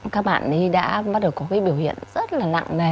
các bạn đã bắt đầu có cái biểu hiện rất là nặng nề